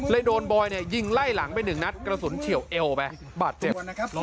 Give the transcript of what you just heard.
โดนบอยยิงไล่หลังไปหนึ่งนัดกระสุนเฉียวเอวไปบาดเจ็บ